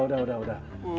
udah udah udah